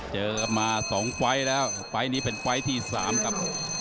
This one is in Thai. เจอกันมา๒ไฟล์แล้วไฟล์นี้เป็นไฟล์ที่๓ครับ